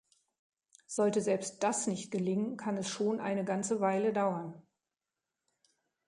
Sollte selbst das nicht gelingen, kann es schon eine ganze Weile dauern.